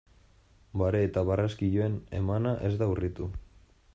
Bare eta barraskiloen emana ez da urritu.